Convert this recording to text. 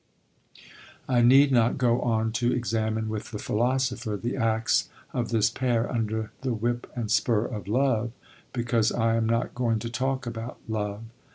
I need not go on to examine with the philosopher the acts of this pair under the whip and spur of love, because I am not going to talk about love.